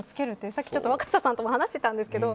さっき若狭さんとも話していたんですけど